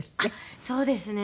そうですね。